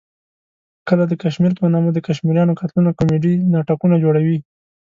کله د کشمیر په نامه د کشمیریانو قتلونه کومیډي ناټکونه جوړوي.